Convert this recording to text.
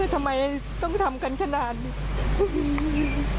ทำไมต้องทำกันขนาดนี้